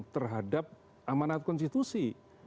terhadap amanat konstitusi